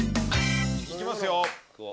いきますよ。